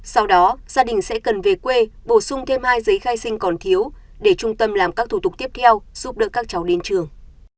sau đó gia đình sẽ cần về quê bổ sung thêm hai giấy khai sinh còn thiếu để trung tâm làm các thủ tục tiếp theo giúp đỡ các cháu đến trường